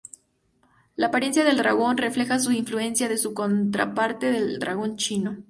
La apariencia del dragón refleja sus influencias de su contraparte, el dragón chino.